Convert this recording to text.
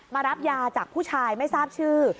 มารับยาจากผู้ชายไม่ทราบชื่อ